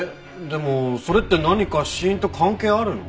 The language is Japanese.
でもそれって何か死因と関係あるの？